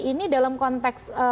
ini dalam konteks